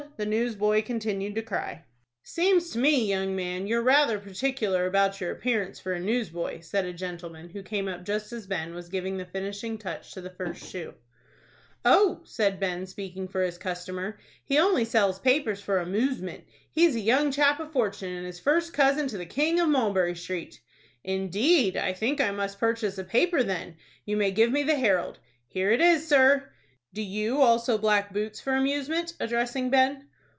'" the newsboy continued to cry. "Seems to me, young man, you're rather particular about your appearance for a newsboy," said a gentleman, who came up just as Ben was giving the finishing touch to the first shoe. "Oh," said Ben, speaking for his customer, "he only sells papers for amoosement. He's a young chap of fortune, and is first cousin to the King of Mulberry Street." "Indeed! I think I must purchase a paper then. You may give me the 'Herald.'" "Here it is, sir." "Do you also black boots for amusement?" addressing Ben.